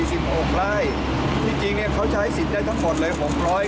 ที่จริงเขาใช้สินได้ทั้งหมดเลย